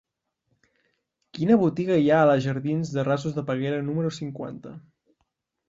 Quina botiga hi ha a la jardins dels Rasos de Peguera número cinquanta?